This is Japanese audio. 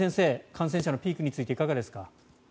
感染者のピークについていかがですか。